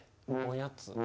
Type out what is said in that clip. おやつ。